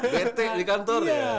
bt di kantor ya